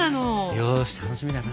よし楽しみだな。